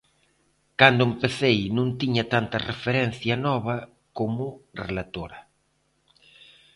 Cando empecei non tiña tanta referencia nova como relatora.